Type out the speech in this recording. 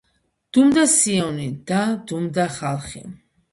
დუმდა სიონი და დუმდა ხალხი.